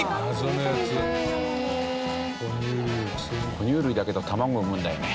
「哺乳類だけど卵を産むんだよね」